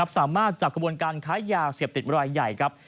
สามารถจับกระบวนการขายยาเสพติดระยายใหญ่ครับ